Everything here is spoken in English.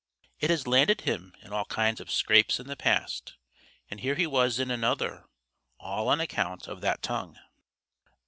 It has landed him in all kinds of scrapes in the past, and here he was in another, all on account of that tongue.